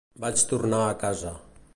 Vaig tornar a casa.